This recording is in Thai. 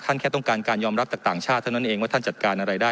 แค่ต้องการการยอมรับจากต่างชาติเท่านั้นเองว่าท่านจัดการอะไรได้